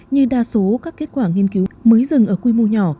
như đa số các kết quả nghiên cứu mới dừng ở quy mô nhỏ